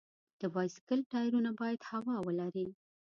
د بایسکل ټایرونه باید هوا ولري.